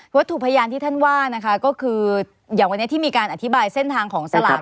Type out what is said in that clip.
ถูกพยานที่ท่านว่านะคะก็คืออย่างวันนี้ที่มีการอธิบายเส้นทางของสลาก